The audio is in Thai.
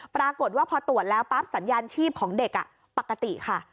ปรากฏว่าพอตรวจแล้วปั๊บสัญญาณชีพของเด็กปกติค่ะ